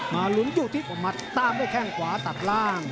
หลุมอยู่ที่หมัดตามด้วยแข้งขวาตัดล่าง